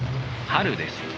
春です。